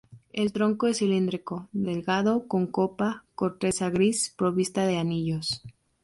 El tronco es cilíndrico, delgado, con copa, corteza gris provista de anillos.